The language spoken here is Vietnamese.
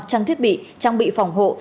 trang thiết bị trang bị phòng hộ